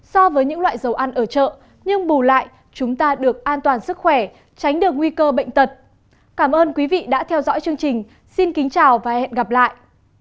xin chào và hẹn gặp lại